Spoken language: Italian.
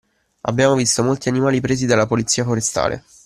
Abbiamo visto molti animali presi dalla Polizia Forestale